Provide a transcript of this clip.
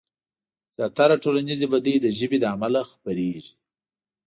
زياتره ټولنيزې بدۍ د ژبې له امله خورېږي.